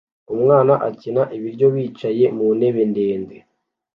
Umwana akina ibiryo yicaye mu ntebe ndende